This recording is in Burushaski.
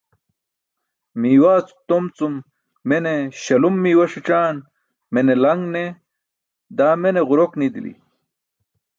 Miiwaa tom cum mene śalum miiwa sićaan, mene laṅ ne, daa mene ġurok nidili.